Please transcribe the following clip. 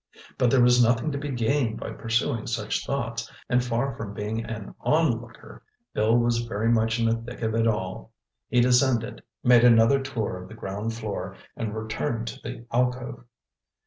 But there was nothing to be gained by pursuing such thoughts—and far from being an onlooker, Bill was very much in the thick of it all. He descended, made another tour of the ground floor, and returned to the alcove.